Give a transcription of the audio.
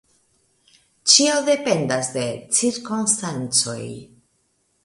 Ĉio dependas de cirkonstancoj.